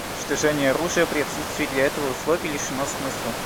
Уничтожение оружия при отсутствии для этого условий лишено смысла.